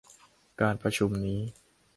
การประชุมนี้